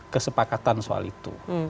kesepakatan soal itu